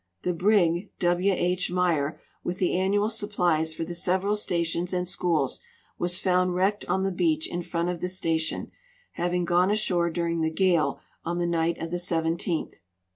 The brig W. U. Meyer, Avith the annual supi)lies for the several stations and schools, Avas found Avrecked on the beach in front of the station, having gone ashore during the gale on the night of the 17th.